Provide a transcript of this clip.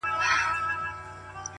• ورو په ورو د لېوه خواته ور نیژدې سو,